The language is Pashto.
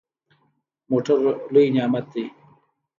موټر لوی نعمت دی.